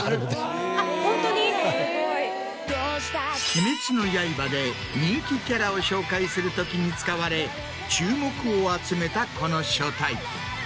『鬼滅の刃』で人気キャラを紹介するときに使われ注目を集めたこの書体。